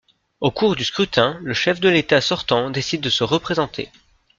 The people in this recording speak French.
Au cours du scrutin, le chef de l'État sortant décide de se représenter.